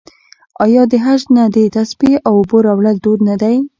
آیا د حج نه د تسبیح او اوبو راوړل دود نه دی؟